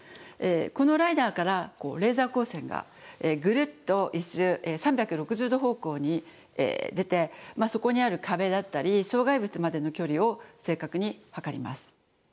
このライダーからレーザー光線がグルッと１周３６０度方向に出てそこにある壁だったり障害物までの距離を正確に測ります。